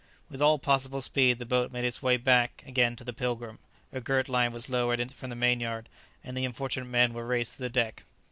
With all possible speed the boat made its way back again to the "Pilgrim," a girt line was lowered from the mainyard, and the unfortunate men were raised to the deck.